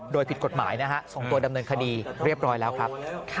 โดยผิดกฎหมายนะฮะส่งตัวดำเนินคดีเรียบร้อยแล้วครับ